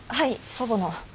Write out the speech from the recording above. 祖母の。